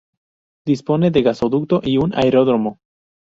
Dispone de gasoducto y un aeródromo.